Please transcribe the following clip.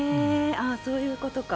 そういうことか。